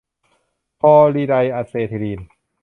พอลิไดอะเซทิลีน